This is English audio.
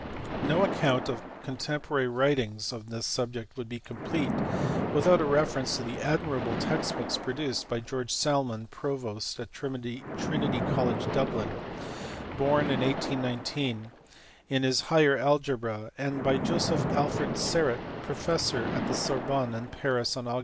No account of contemporary writings on this subject would be complete without a reference to the admirable text books produced by George Salmon, provost of Trinity College, Dublin, born in 1819, in his Higher Algebra, and by Joseph Alfred Serret, professor at the Sorbonne, born at Paris on Aug.